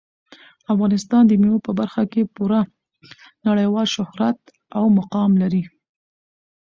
افغانستان د مېوو په برخه کې پوره نړیوال شهرت او مقام لري.